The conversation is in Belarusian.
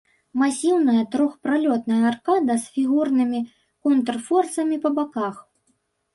Масіўная трохпралётная аркада з фігурнымі контрфорсамі па баках.